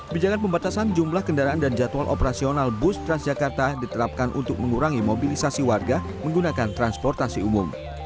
bijakan pembatasan jumlah kendaraan dan jadwal operasional bus transjakarta diterapkan untuk mengurangi mobilisasi warga menggunakan transportasi umum